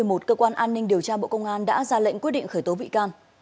ngày ba tháng một mươi một cơ quan an ninh điều tra bộ công an đã ra lệnh quyết định khởi tố bị can